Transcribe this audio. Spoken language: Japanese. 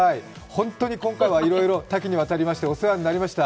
本当に今回は、いろいろ多岐に渡りましてお世話になりました。